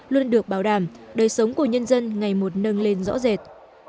luôn được bảo đảm đời sống của nhân dân ngày một nâng lên rõ rệt